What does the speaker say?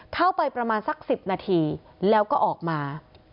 เข้าไปประมาณสัก๑๐นาทีแล้วก็ออกมา